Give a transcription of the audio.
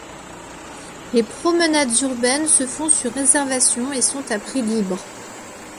Les promenades urbaines se font sur réservation et sont à prix libre.